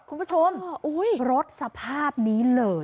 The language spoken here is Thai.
คุณผู้ชมรถสภาพนี้เลย